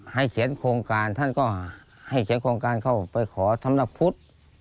เขียนโครงการท่านก็ให้เขียนโครงการเข้าไปขอสำนักพุทธ